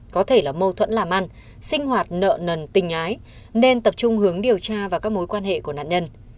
có thể là mâu thuẫn làm ăn sinh hoạt nợ nần tình ái nên tập trung hướng điều tra vào các mối quan hệ của nạn nhân